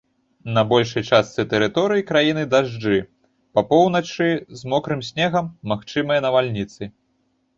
На большай частцы тэрыторыі краіны дажджы, па поўначы з мокрым снегам, магчымыя навальніцы.